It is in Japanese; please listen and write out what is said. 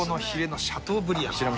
Ａ５のシャトーブリアン。